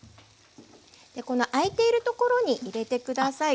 この空いているところに入れて下さい。